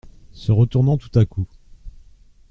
Se retournant tout à coup.